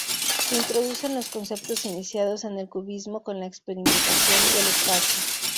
Se introducen los conceptos iniciados en el cubismo con la experimentación del espacio.